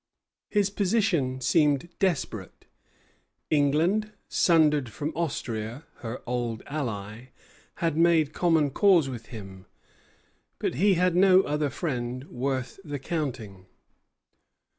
His position seemed desperate. England, sundered from Austria, her old ally, had made common cause with him; but he had no other friend worth the counting.